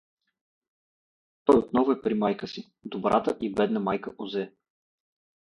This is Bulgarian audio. Той е отново при майка си — добрата и бедна майка Озе!